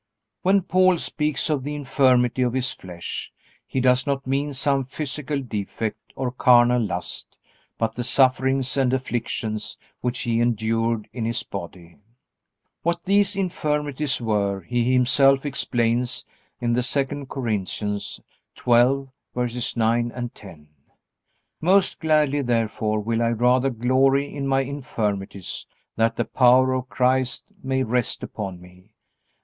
When Paul speaks of the infirmity of his flesh he does not mean some physical defect or carnal lust, but the sufferings and afflictions which he endured in his body. What these infirmities were he himself explains in II Corinthians 12:9, 10: "Most gladly therefore will I rather glory in my infirmities, that the power of Christ may rest upon me.